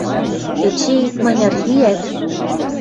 Эче икманяр лиӓт: